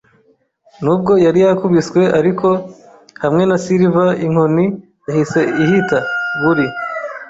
nubwo yari yakubiswe. Ariko hamwe na Silver inkoni yahise ihita. Buri